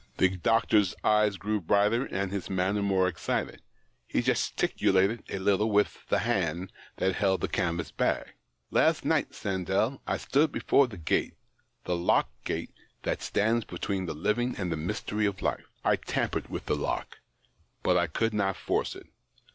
The doctor's eyes grew brighter, and his manner more excited ; he gesticulated a little with the hand that held the canvas bag. "Last night, Sandell, I stood before the gate — the locked gate that stands between the living and the mystery of life. I tam pered wdth the lock, but I could not force it.